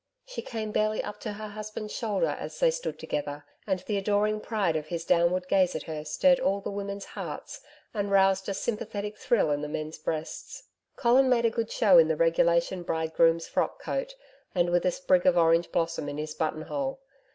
She came barely up to her husband's shoulder as they stood together, and the adoring pride of his downward gaze at her, stirred all the women's hearts and roused a sympathetic thrill in the men's breasts. Colin made a good show in the regulation bridegroom's frock coat, and with a sprig of orange blossom in his buttonhole.